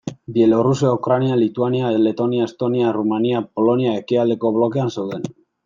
Bielorrusia, Ukraina, Lituania, Letonia, Estonia, Errumania, Polonia ekialdeko blokean zeuden.